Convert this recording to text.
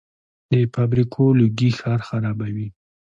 د فابریکو لوګي ښار خرابوي.